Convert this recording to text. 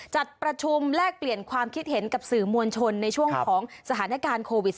จัดประชุมแลกเปลี่ยนความคิดเห็นกับสื่อมวลชนในช่วงของสถานการณ์โควิด๑๙